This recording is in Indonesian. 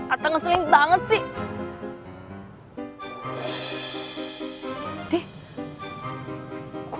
ateng aslin banget sih